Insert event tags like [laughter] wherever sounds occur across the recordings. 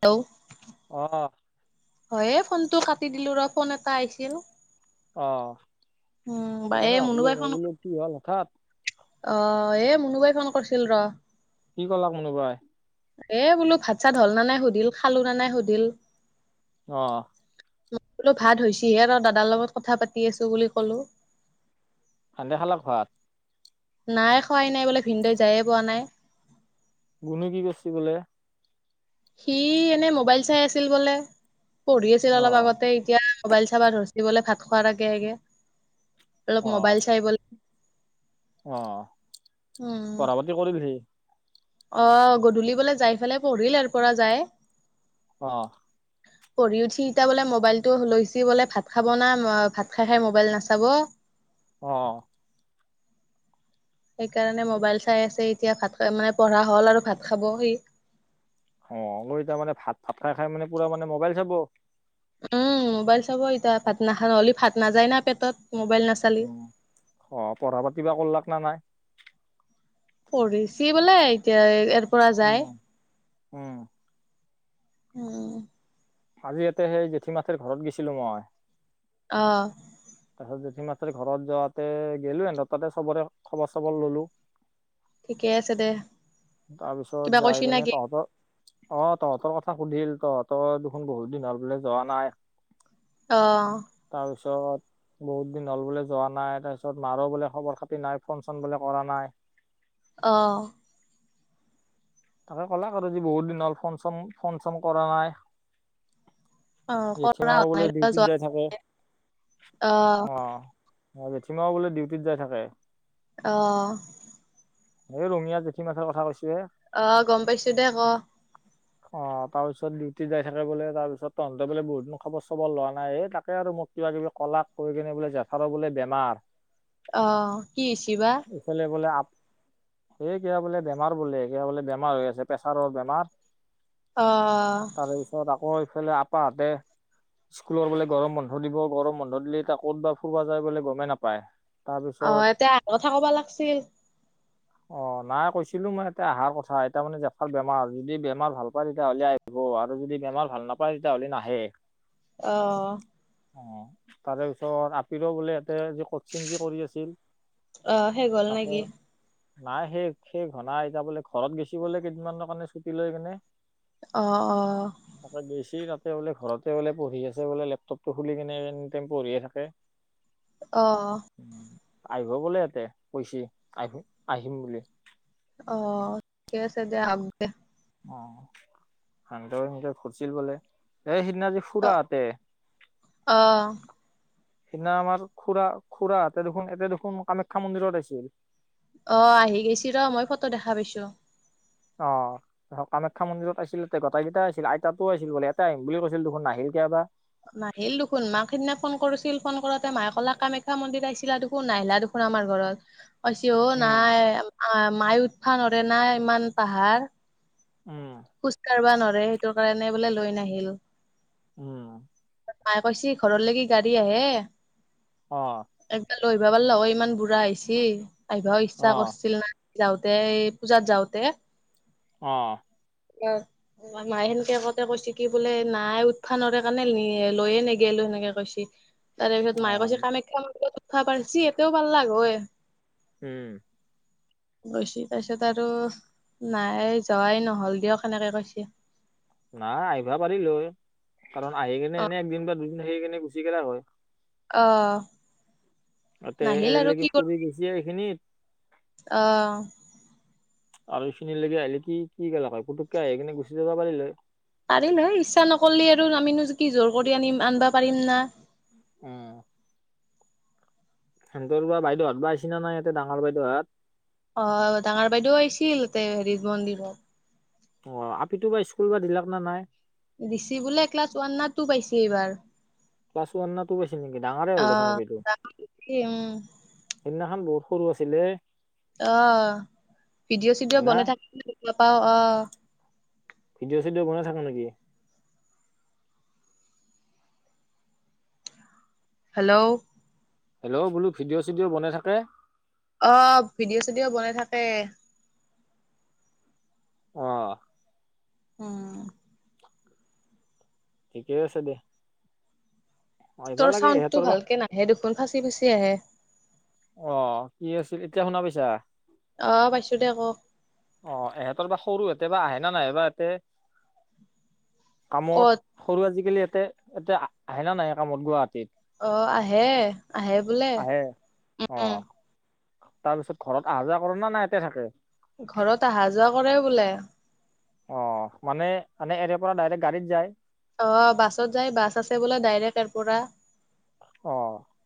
ত আহ ফোনটো কাটি দিলো ৰ ফোন এটা আহিছিল অ উম বা এই সেইকাৰণে ভাবিলো মুনুবাই ফোন মইাবলো কি হল হথাত অ এই মুনোবাই ফোন কৰিছিল ৰ কি কলা মুনো বাই এ বোলো ভাত চাত হল ন নাই সুধিল খালো ন নাই সুধিল অহ মই বোলো ভাতছহে আৰু দাদাৰ লগত কথা পাতি আছো বুলি কলো সান্দে খালা ঘৰত নাই খোৱাই নাই বোলে ভিনদৈ যায়ে পোৱা নাই গুণো কি কৰিছ বোলে সি এনে মোবাইল চাই আছিল বোলে পঢ়ি আছিল অলপ অ', আগতে এতিয়া মোবাইল চাবা ধচিবলে ভাত খোৱাৰ আগে আগে অলপ অ', মোবাইল চাই বলে অ উম পঢ় পাতি কৰিলহি অ গধূলিবলৈ যাই ফালাই পঢ়িল ইাৰ পৰা যাই অ পঢ়ি উঠি ইতিয়া বোলে মোবাইলটো লৈছি বোলে ভাত খাব না ভাত খাই খাই মোবাইল নাচাব অ সেইকাৰণে মোবাইল চাই আছে এতিয়া ভাত খাই মানে পঢ়া হ'ল আৰু ভাত খাবহি অ অ ই তাৰ মানে ভাত ভাত খাই খাই মানে পুৰা মানে মোবাইল চাব। উম মোবাইল চাব এতিয়া ভাতনাখাই নহ'লি ভাত নাযায় না পেটত। মোবাইল নাচালি। উম অ পঢ়া পাতি বা কল্লাক না নাই। পঢ়িছি বোলে এতিয়া এৰ উম উম। অ' আজি ইয়াতে সেই জেঠীমাথেৰ ঘৰত গেছিলো মই। অ' তাৰ পিছত জেঠি মাথেৰ ঘৰত যোৱাতে গে'লো হেনথত তাতে চবৰে খবৰ চবৰ ললোঁ। ঠিকে আছে দে। তাৰপিছত কিবা যায় কৈছি কেনে নেকি? তহঁতৰ অ তহঁতৰ কথা সুধিল তহঁতৰ দেখোন বহুত দিন হল বোলে যোৱা নাই। অ তাৰপিছত বহুত দিন হ'ল বোলে যোৱা নাই তাৰপিছত মাৰো বোলে খবৰ খাতি নাই ফোন চোন বোলে কৰা নাই। [inaudible] অ' তাকে ক'লাক আৰু যি বহুত দিন হ'ল ফোন চন ফোন চন কৰা নাই। অ কৰা হোৱা জেঠিমাও নাই বোলে ৰ ডিউটিত যোৱা যাই থাকে। অ অ জেঠীমাও বোলে ডিউটিত যাই থাকে। অ' এই ৰঙিয়ীয়া জেঠী মাথেৰ কথা কৈছি। অ গম পাইছো দে ক। অ তাৰ পিছত ডিউটি যাই থাকে বোলে তাৰপিছত তহন্ততে বোলে বহুত দিন খবৰ চবৰ লোৱা নাই এই তাকে আৰু। মোক কিবা- কিবি কলা কৈ কিনে বোলে জেঠাৰৰ বোলে বেমাৰ। আহ, কি হৈ হৈছে বা? এ' কিবা বোলে বেমাৰ বোলে ক বোলে বেমাৰ হৈ আছে প্ৰেছাৰৰ বেমাৰ। অ তাৰে পিছত আকৌ এইফালে আপাহঁতে স্কুলৰ বোলে গৰম বন্ধ দিব, গৰম বন্ধ দিলে ত ক'ত বা ফুৰিবা যায় বোলে গমেই নাপায়। তাৰপিছত অ' এতিয়া কথা কবা লাগিছিল। অ' নাই কৈছিলো মই এতে অহাৰ কথা। তাৰ মানে জেঠাই বেমাৰ যদি বেমাৰ ভাল পায় তেতিয়াহ'লে আহিব আৰু যদি বেমাৰ ভাল নাপায় তেতিয়াহ'লে নাহে অঁ। অ তাৰে পিছত আপিৰ বোলে [inaudible] তাতে যি কচিং যি কৰি আছিল অ', শেষ হ'ল তাকে নেকি? নাই শেষ- শেষ ঘনাই এতিয়া বোলে ঘৰত গেছি গলে কেইদিনমানৰ কাৰণে ছুটি লৈ কেনে। অঁ অঁ। গেছি তাতে বোলে ঘৰতে বোলে পঢ়ি আছে বোলে, লেপটপটো খুলি কিনে এ পঢ়িয়ে থাকে। অঁ। আহিব বোলে ইয়াতে কৈছি আহ - আহিম বুলি। অ' ঠিকে আছে দে আহক দে। অ সান্দ ঘুৰিছিল বোলে এ [inaudible] জি অ', ফুৰাতে অ', [inaudible] সেইদিনা আমাৰ খুডৰা - খুড় এতে দেখোন ইতে দেখোন কামাখ্যা মন্দিৰত আছিল। অ' আহি গৈছ ৰ মই ফটো দেখা পাইছো। অ' কামাখ্যা মন্দিৰত আছিল গোটেইকেইটা আছিল আইতাতো আছিল বোলে এটা আহিম বুলি কৈছিল দেখোন নাহিল। কেতিয়াবা। নাহিল দেখোন, মাক সেইদিনা ফোন কৰিছিল ফোন কৰোতে মায়ে কলা কামাখ্যা মন্দিৰত আহিছিলা দেখোন, নাহিলা দেখোন। আমাৰ ঘৰত। কৈছে অ' উম নাই মায়ে উঠবা নোৱাৰে না ইমান পাহাৰ। উম খোজ কাঢ়বা নোৱাৰে, সেইটো কাৰণে বোলে লৈ নাহিল। উম। মায়ে কৈছে ঘৰলৈ কি গাড়ী আহে। আহ। একবাৰ লৈ আহিবা পাৰিলে হয়, ইমান বুঢ়া আহিচি আহিবা অ ইচ্ছা কৰিছিল না। যাওঁতে, পূজাত যাওঁতে। আহ। [inaudible] অ' মায়ে সেনেকে কওঁতে, কৈছে কি বোলে নাই উঠবা নোৱাৰে কাৰণে নি লৈয়ে নেগিলো সেনেকে কৈছে। তাৰে পিছত অ মায়ে কৈছে কামাখ্যা মন্দিৰত পাৰছি ইয়াতেও পাৰলাক হয়। উম। গৈছি তাৰ পাছত আৰু নাই, যোৱাই নহল দিয়ক। সেনেকে কৈছি। নাই আহিবা পাৰিল হয়। কাৰণ আহি কেনে অ' এনে একদিন বা দুদিন আহি কেনে গুচি গেলাক হয়। অঁ। তাতে এৰেলেকি ফুৰি গেছি এইখিনিত। আহ। আৰু এইখিনি লৈকে আহিলে কি কি গেলা হয়, পুটুককে আহি কিনে গুচি যাবা পাৰিল হয়। পাৰিল হয়, ইচ্ছা নকৰিলে আৰু আমিনো কি জোৰ কৰি আনিম আনিবা পাৰিম না। উম। সেনতৰ বা বাইদেউহাত বা আচিনা নাই ইয়াতে ডাঙৰ বাইদেউহাত অ ডাঙৰ বাইদেউ আহিছিল তে হেৰিত মন্দিৰত। অ আপিতো বা স্কুল বা দিলাক না নাই? দিছি বোলে এ ক্লাছ ওৱান না টু পাইছি এইবাৰ। ক্লাছ ওৱান না টু পাইছি নেকি ডাঙৰে হ'ল দেখোন অ' আপিটো, উম সেইদিনাখন বৰোস সৰু আছিলে। অহ ভিডিঅ' হয় চিডিঅ' না বনাই থাকিলে দেখিব পাও অহ। ভিডিঅ চিডিঅ বনাই থাক নেকি? হেল্ল' হেল্ল' বোলো ভিডিঅ' চিডিঅ' বনাই থাকে। অ ভিডিঅ' চিডিঅ' বনাই থাকে। অহ। উম। ঠিকেই আছে দে। অ আহিবা তোৰ লাগে চাউণ্ডটো এহঁতৰ বা ভালকে নাহে দেখোন ফাঁচি ফুচি আহে। অ কি আছিল, এতিয়া শুনা পাইছা? অহ পাইছো দে, ক? অ এহঁতৰ বা সৰু সতে বা আহে ন নাহে বা এতে ক'ত কামত সৰু আজিকালি ইয়াতে এতে আ আহে না নাহে কামত গুৱাহাটীত? অ আহে আহে বোলে, আহে অ উ। তাৰপিছত ঘৰত আহা যোৱা কৰে না নাই এতে থাকে। ঘৰত আহা যোৱা কৰে বোলে। অ মানে আনে এৰে পৰা ডাইৰেক্ট গাড়ীত যায়? অ বাছত যায়। বাছ আছে বোলে ডাইৰেক ইয়াৰ পৰা। অ।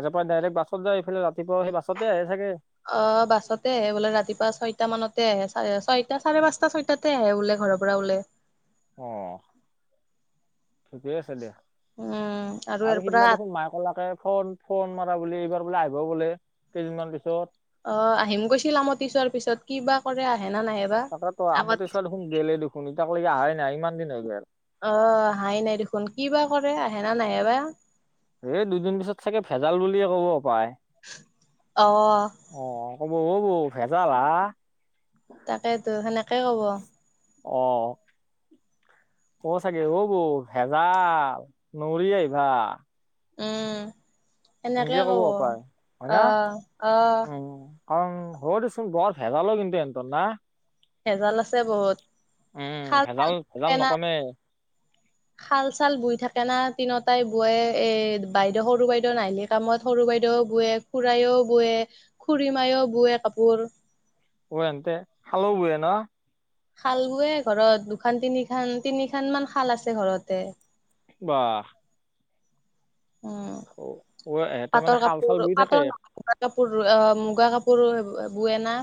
এতিয়া পৰা ডাইৰেক্ট বাছত যায়, এইফালে ৰাতিপুৱা সেই বাছতে আহে চাগে। অ বাছতে আহে বোলে, ৰাতিপুৱা ছয়টা মানতে আহে। চ ছয়টা চাৰে পাঁচটা ছয়টাতে আহে বোলে। ঘৰৰ পৰা ওলে। অহ। ঠিকেইে আছে দিয়া। উম আৰু ইয়াৰ পৰা সিদিনা দেখোন মাই কলাকে ফোন ফোন মা বুলি এইবাৰ বোলে আহিব বোলে, কেইদিনমান পিছত। অ আহিম কৈছিল আমতি চোৱাৰ পিছত, কি বা কৰে আহে না নাহে বা তাকেতো, আগত আমতি চোৱা দেখোন গেলেই দেখোন, ইতাক লৈকে আহাই নাই ইমান দিন হৈ গ'ল। অ অহাই নাই দেখোন। কি বা কৰে আহে না নাহে বা। এই দুদিন পিছত চাগে ভেজাল বুলিয়ে ক'ব পায়। অহ অ হব ফেচালা [unintelligible] তাকেইতো সেনেকাই হ'ব। অহ। ক'ব চাগে, অ বৌ ভেজাল নৰি আহিবা। উম। সেনকে সেনেকে ক'ব। পাই অহ, অহ। অও, হ'ব দেচোন বহুত ভেজাল ও কিন্তু এনত না। ভেজাল আছে বহুত। উম। খাল ভেজাল চাল ভেজাল নকমে। শাল চাল বোই থাকে না, তিনটাই বোৱে এ বাইদেউ সৰু বাইদেউ নাহিলি কামত সৰু বাইদেউ বোয়ে, খুৰাও বোৱে, খুৰীমায়ও বোৱে কাপোৰ। অ এনতে শালো বোয়ে না? শাল বোৱে ঘৰত। দুখান তিনি খান, তিনি খান মান শাল আছে ঘৰতে। বাহ উম অ এহঁতে মানে পাটৰ শাল চাল কাপোৰ বুই থাকে পাটৰ [unintelligible] কাপোৰ আ মুগা কাপোৰ বুৱেনা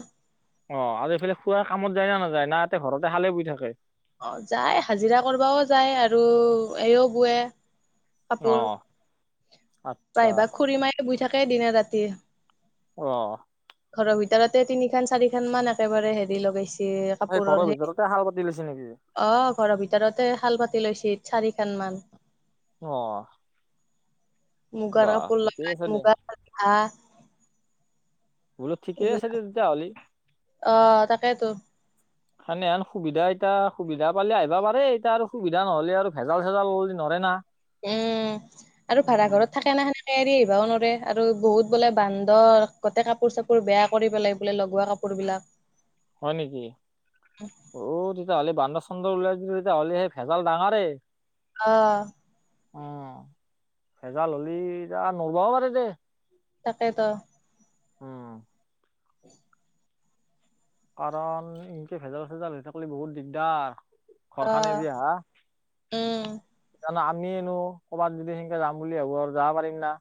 অ আৰু এইফালে খোৱাৰ কামত যায় না নাযায় না ইহঁতে ঘৰতে হালে বোই থাকে অ যায় হাজিৰা কৰিবও যায় আৰু এইও বোৱে কাপোৰ অহ প্ৰায়ভাগ খুুৰী মায় বৈ থাকে দিনে ৰাতি অহ ঘৰৰ ভিতৰতে তিনি খান চাৰি খন মান একেবাৰে হেৰি লগাইছে ঘৰৰ কাপোৰৰ সেই ভিতৰতে শাল পাতি লৈছে নেকি অ ঘৰৰ ভিতৰতে শাল পাতি লৈছি চাৰিখন মান অ মুগাৰ বাহ কাপোৰ ঠিকেই লগাই আছে দে মুগাৰ [unintelligible] বোলো ঠিকেই আছে এইবিলাক দিয়া তেতিয়া হলি অ তাকেতো সানেহান সুবিধা এতিয়া সুবিধা পালে আহিবা পাৰে এতিয়া আৰু সুবিধা নহলে আৰু ভেজাল চেজাল নৰে না উম আৰু উম ভাড়া উম ঘৰত থাকে [unintelligible] এৰি আহিবও নোৱৰে আৰু বহুত বোলে বান্দৰ গোতে কাপোৰ চাপোৰ বেয়া কৰি পেলাই বোলে লগোৱা কাপো কাপোৰ বিলাক হয় নেকি অ তেতিয়াহ'লে বান্দৰ বান্দৰ উলাই যেতিয়া হ'লে সেই ভেজাল ডাঙৰে অ উম ভেজাল হলি এতিয়া নলবও পাৰে দে তাকেত উম কাৰণ ইনকে ভেজাল চেজাল হৈ থাকলি বহুত দিগদাৰ অ খৰখানে বি হা উম শুমিয়েনো কৰ'বাত যদি সেকে যাম বুলি ভাবো আৰু যাব পাৰিম না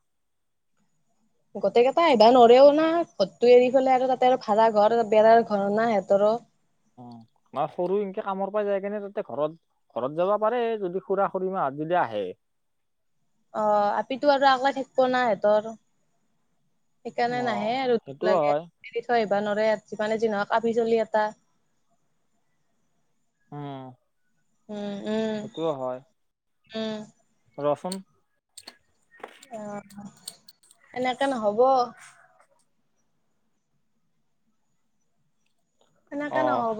গোটেই কেইটা আহবাৰ নৰেও না ঘৰটো এৰি ফেললে আৰু তাতে আৰু ভাড়া ঘৰ বেৰাৰ ঘৰ না সিহতৰো অ বা সৰু এনকে কামৰ পৰা যায় কেনে তাতে ঘৰত ঘৰত যাবা পাৰে যদি খুৰা খুৰিমা আহ অ আপিতো আৰু আগলাই থাকিব না সিহঁতৰ সেইকাৰণে অ' নাহে আৰু সেইটোও লাগে হয় আইবা নৰে মানে যিহ কাপি চলি এটা উম উম উম সেইটোও হয় উম ৰচোন অ এনেকে নহব এনেকে অ' নহব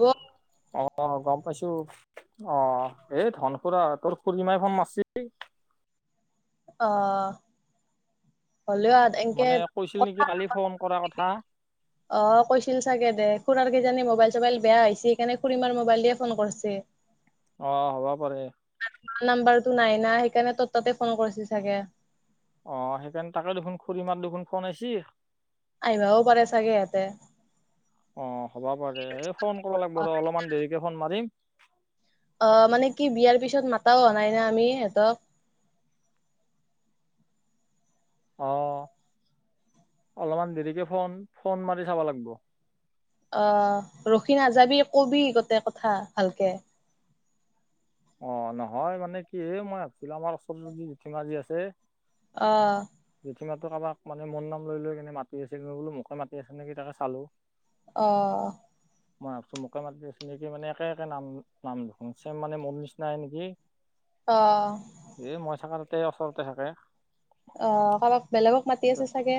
অ গম পাইছো অ এই ধন খুৰা তোৰ খুড়ীমাই ফোণ মাছিল [unintelligible] [unintelligible] অ হ'লেও এনকে মানে কৈছিল নেকি কালি ফোন কৰা কথা অ কৈছিল চাগে দে খুুৰাৰ কেইজানি মোবাইল চোবাইল বেয়া হৈছে সেইকাৰণে খুুৰীমাৰ মোবাইল দিয়ে ফোন কৰিছে অ হ'বা পাৰে ম নাম্বাৰতটো নাই না সেইকাৰণে তইত তাতে ফোন কৰিছিল চাগে অ সেইকাৰণে তাকে দেখোন খুড়ী মাৰ দেখোন ফোন আইছি। আইভাও পাৰে চাগে এহাতে। অ হ'বা পাৰে এই ফোন কৰবা লাগব ৰ অলপমান দেৰিকে ফোন মাৰিম। অ' মানে কি বিয়াৰ পিছত মাতাও হ নাই না আমি সিহঁতক। অ' অলপমান দেৰিকে ফোন ফোন মাৰি চাবা লাগব। অ' ৰখি নাজাবি কবি গোটেই কথা ভালকে। অ নহয় মানে কি এ মই ভাবছিলো আমাৰ ওচৰৰ যি জেঠিমা যি আছে। অ' জেঠিমাটো কাবাক মানে মোৰ নাম লৈ লৈ কিনে মাতি আছিল মই বোলো মোকে মাতি আছিল নেকি তাকে চালো। অ', মই ভাবছো মোকে মাতি আছে নেকি মানে একে একে নাম নাম চেম মানে মোৰ নিচিনাই নেকি। অ এ মই থাকা তাতে ওচৰতে থাকে। অ' কাবাক বেলেগক মাতি আছে চাগে।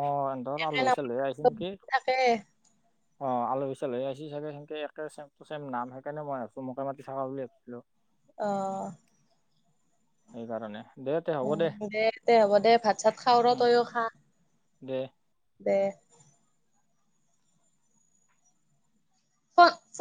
অ এহঁতৰ একে আলহী নাম চালহী আহিছে নেকি থাকে। অ আলহি চালহি আইছি চাগে সেংকে একে চেমটু চেম নাম সেইকাৰণে মই ভাবছো মোকে মাতি থাকা বুলি ভাবছিলো। অ', সেইকাৰণে। দে তে হ'ব উম দে দে হ'ব দে ভাত চাত খাও ৰ উম তইও খা। দে দে অ [unintelligible]